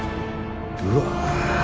うわ。